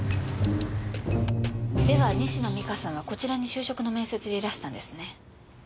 では西野実花さんはこちらに就職の面接でいらしたんですね。